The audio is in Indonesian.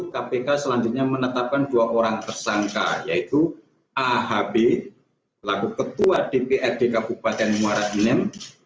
kpk selanjutnya menetapkan dua orang tersangka yaitu ahb laku ketua dprd kabupaten muara inen